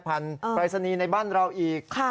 ปรายศนีย์ในบ้านเราอีก